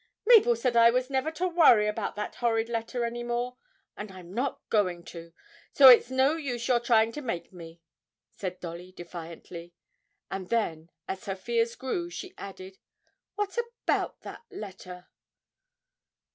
'Mabel said I was never to worry about that horrid letter any more and I'm not going to so it's no use your trying to make me,' said Dolly defiantly. And then, as her fears grew, she added, 'What about that letter?'